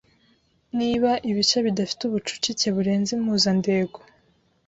Niba ibice bidafite ubucucike burenze impuzandengo